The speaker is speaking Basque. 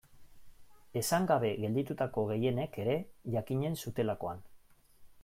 Esan gabe gelditutako gehienek ere jakinen zutelakoan.